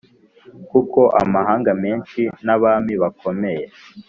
Kuko amahanga menshi n abami bakomeye